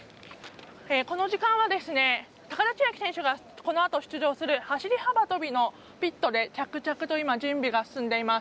この時間は高田千明選手がこのあと出場する走り幅跳びのピットで着々と準備が進んでいます。